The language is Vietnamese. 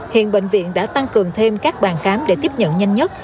hiện bệnh viện đã tăng cường thêm các bàn khám để tiếp nhận nhanh nhất